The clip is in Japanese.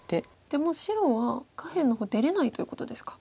じゃあもう白は下辺の方出れないということですか。